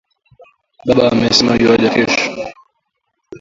Baba amesema yuaja kesho